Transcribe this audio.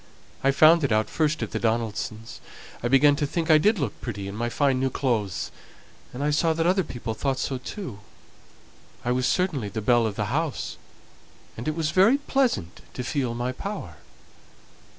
I found it out first at the Donaldsons'. I began to think I did look pretty in my fine new clothes, and I saw that other people thought so too. I was certainly the belle of the house, and it was very pleasant to feel my power.